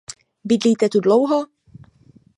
Bydlíte tu dlouho?